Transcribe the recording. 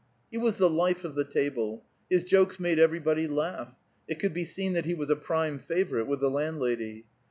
He was the life of the table. His jokes made everybody laugh; it could be seen that he was a prime favorite with the landlady.